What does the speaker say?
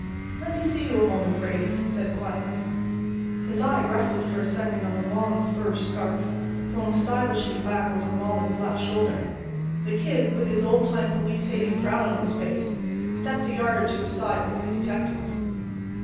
"Let me see you a moment, Brady," he said, quietly. His eye rested for a second on the long fur scarf thrown stylishly back over Molly's left shoulder. The Kid, with his old time police hating frown on his face, stepped a yard or two aside with the detective.